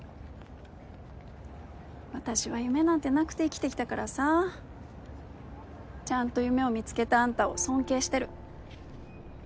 私は夢なんてなくて生きてきたからさちゃんと夢を見つけたあんたを尊敬してる。